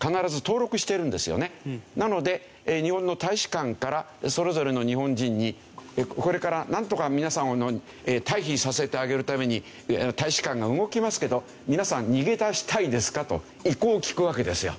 なので日本の大使館からそれぞれの日本人にこれからなんとか皆さんを退避させてあげるために大使館が動きますけど皆さん逃げ出したいですか？と意向を聞くわけですよ。